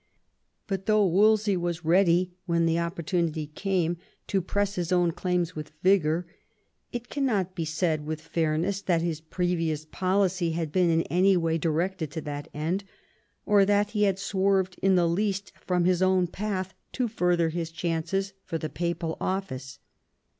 But though Wolsey was ready when the opportunity came to press his own claims with vigour,, it cannot be said with fairness that his previous policy had been in any way directed to that end, or that he had swerved in the least from his own path to further his chances for the papal office.